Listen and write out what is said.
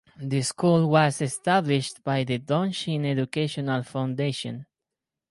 The school was established by the Dongshin Educational Foundation.